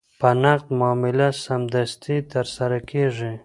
په نقد معامله سمدستي ترسره کېږي.